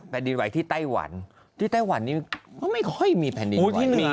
แผ่นดินไหวที่ไต้หวันที่ไต้หวันนี่ก็ไม่ค่อยมีแผ่นดินไหว